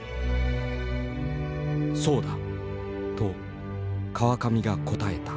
「そうだ」と川上が答えた。